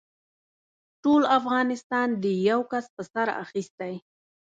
ټول افغانستان دې يوه کس په سر اخيستی.